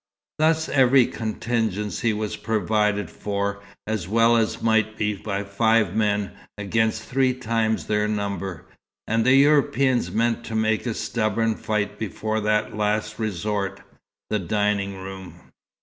Thus every contingency was provided for, as well as might be by five men, against three times their number; and the Europeans meant to make a stubborn fight before that last resort the dining room.